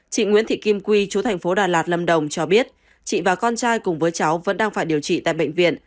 chị nguyễn thị kim quy chú thành phố đà lạt lâm đồng cho biết chị và con trai cùng với cháu vẫn đang phải điều trị tại bệnh viện